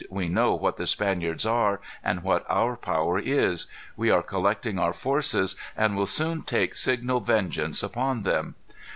"We know what the Spaniards are, and what our power is. We are collecting our forces, and will soon take signal vengeance upon them."